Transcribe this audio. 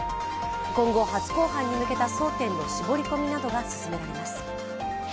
今後、初公判に向けた争点の絞り込みなどが進められます。